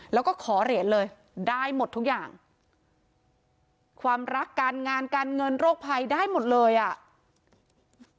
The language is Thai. แล้วก็ขอเหรียญเลยได้หมดทุกอย่างความรักการงานการเงินโรคภัยได้หมดเลยอ่ะ